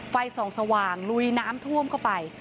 ไฟส่องสว่างลุยน้ำท่วมเข้าไป